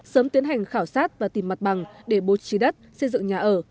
sớm tiến hành khảo sát và tìm mặt bằng để bố trí đất xây dựng nhà ở